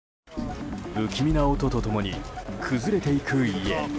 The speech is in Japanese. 不気味な音と共に崩れていく家。